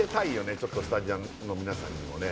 ちょっとスタジオの皆さんにもね